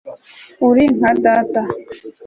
uri nka data